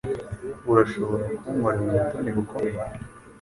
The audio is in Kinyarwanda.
Urashobora kunkorera ubutoni bukomeye?